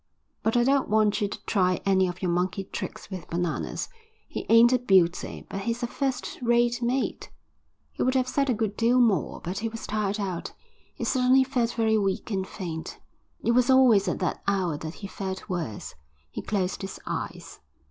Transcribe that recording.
But I don't want you to try any of your monkey tricks with Bananas. He ain't a beauty, but he's a first rate mate." He would have said a good deal more, but he was tired out. He suddenly felt very weak and faint. It was always at that hour that he felt worse. He closed his eyes.